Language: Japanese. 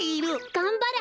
がんばれ！